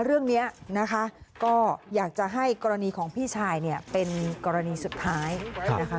เรื่องนี้นะคะก็อยากจะให้กรณีของพี่ชายเนี่ยเป็นกรณีสุดท้ายนะคะ